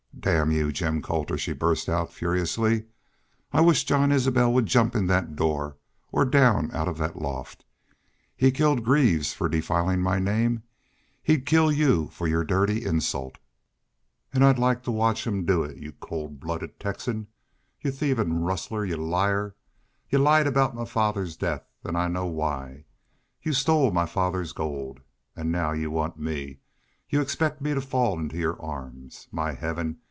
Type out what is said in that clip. "Damn y'u, Jim Colter!" she burst out, furiously. "I wish Jean Isbel would jump in that door or down out of that loft! ... He killed Greaves for defiling my name! ... He'd kill Y'U for your dirty insult.... And I'd like to watch him do it.... Y'u cold blooded Texan! Y'u thieving rustler! Y'u liar! ... Y'u lied aboot my father's death. And I know why. Y'u stole my father's gold.... An' now y'u want me y'u expect me to fall into your arms.... My Heaven!